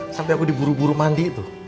sampai aku diburu buru mandi tuh